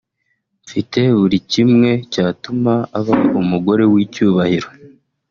mfite buri kimwe cyatuma aba umugore w’icyubahiro